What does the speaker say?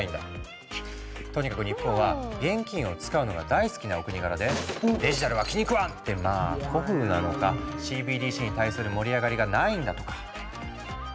とにかく日本は現金を使うのが大好きなお国柄で「デジタルは気に食わん！」ってまあ古風なのかＣＢＤＣに対する盛り上がりがないんだとか。